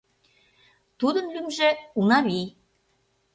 Тудын лӱмжӧ Унавий.